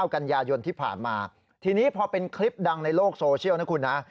กันยายนที่ผ่านมาทีนี้พอเป็นคลิปดังในโลกโซเชียลนะคุณนะ